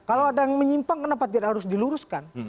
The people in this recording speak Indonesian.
kalau ada yang menyimpang kenapa tidak harus diluruskan